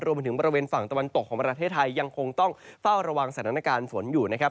บริเวณฝั่งตะวันตกของประเทศไทยยังคงต้องเฝ้าระวังสถานการณ์ฝนอยู่นะครับ